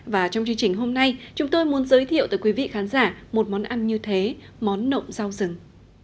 và trong chương trình hôm nay chúng tôi muốn giới thiệu tới quý vị khán giả một món ăn như thế món nộng rau rừng